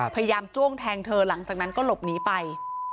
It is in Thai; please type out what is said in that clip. จ้วงแทงเธอหลังจากนั้นก็หลบหนีไป